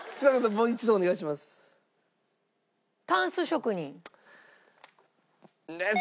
もう一度お願いします。